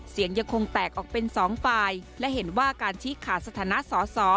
เสียงยังคงแตกออกเป็น๒ฟายและเห็นว่าการชี้ขาสถานะสอ